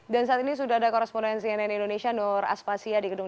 dan saat ini sudah ada korespondensi nn indonesia nur aspasya di gedung